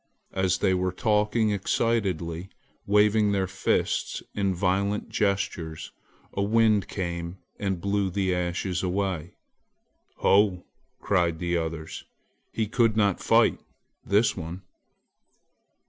As they were talking excitedly, waving their fists in violent gestures, a wind came and blew the Ashes away. "Ho!" cried the others, "he could not fight, this one!"